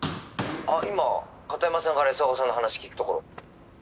「あっ今片山さんから安岡さんの話聞くところ」